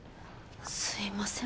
すいません